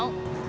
aku gak mau